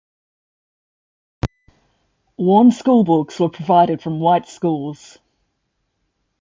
Worn school books were provided from white schools.